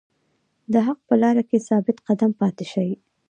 د حق په لاره کې ثابت قدم پاتې شئ.